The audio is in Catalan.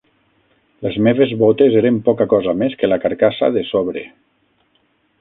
Les meves botes eren poca cosa més que la carcassa de sobre